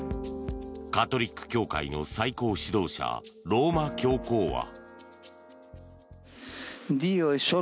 カトリック教会の最高指導者ローマ教皇は。